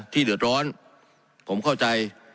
ที่เหลือร้อนผมเข้าใจ